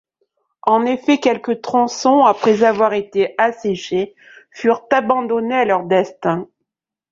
En effet quelques tronçons, après avoir été asséchés, furent abandonnés à leur destin.